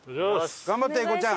頑張って英孝ちゃん。